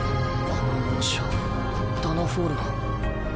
あの紋章ダナフォールの。